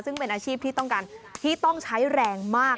ซึ่งเป็นอาชีพที่ต้องการที่ต้องใช้แรงมาก